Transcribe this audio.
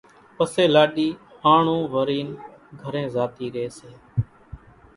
پسيَ لاڏِي آنڻون ورينَ گھرين زاتِي ريئيَ سي۔